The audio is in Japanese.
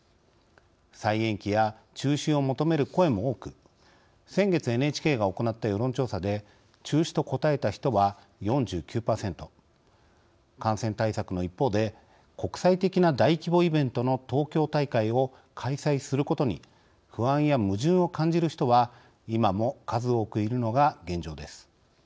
再延期や中止を求める声も多く先月ＮＨＫが行った世論調査で中止と答えた人は４９％感染対策の一方で国際的な大規模イベントの東京大会を開催することに不安や矛盾を感じる人は今も数多くいるのが現状です。